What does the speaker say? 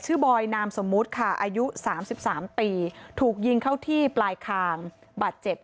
บอยนามสมมุติค่ะอายุ๓๓ปีถูกยิงเข้าที่ปลายคางบาดเจ็บ